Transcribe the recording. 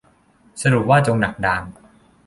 สรุปว่าจงดักดาน